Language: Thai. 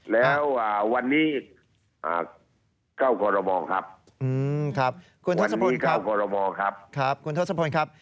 แล้ววันนี้ก้าวกอระบอบครับ